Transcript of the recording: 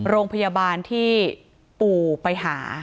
โรงพยาบาลที่ปู่ไปหา